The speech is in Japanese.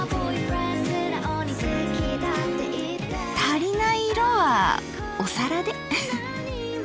足りない色はお皿で。